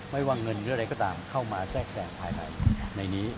ไม่ว่าเงินหรืออะไรก็ตามเข้ามาแทรกแสงภายในนี้